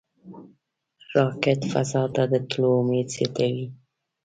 راکټ فضا ته د تللو امید زیاتوي